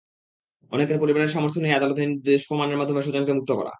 অনেকের পরিবারের সামর্থ্য নেই আদালতে নির্দোষ প্রমাণের মাধ্যমে স্বজনকে মুক্ত করা।